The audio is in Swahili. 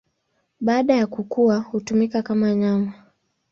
Baada ya kukua hutumika kama nyama.